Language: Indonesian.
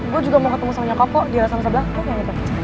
gue juga mau ketemu sama nyokap kok di sana sana belakang